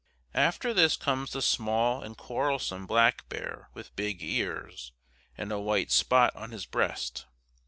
After this comes the small and quarrelsome black bear with big ears, and a white spot on his breast.